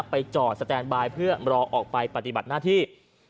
ไปจอดสแตนบายเพื่อรอออกไปปฏิบัติหน้าที่